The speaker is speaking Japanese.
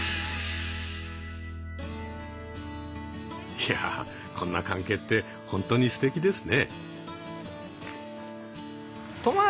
いやこんな関係って本当にすてきですね。